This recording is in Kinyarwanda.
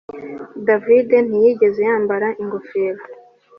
David ntiyigera yambara ingofero